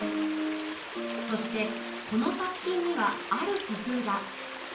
そしてこの作品にはある工夫が。